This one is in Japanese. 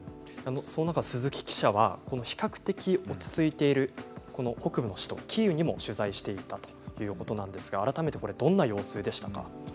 鈴木記者は比較的、落ち着いている北部の首都キーウも取材したということなんですが改めてどんな様子でしたか？